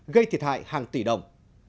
gây thiệt hại hàng tỷ đồng